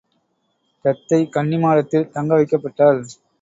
தத்தை கன்னிமாடத்தில் தங்க வைக்கப்பட்டாள்.